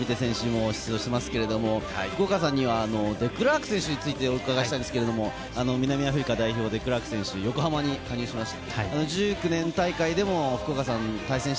コロインベテ選手も出場してますけれど、福岡さんにはデクラーク選手について、お伺いしたいですけれど、南アフリカ代表・デクラーク選手、横浜に加入しました。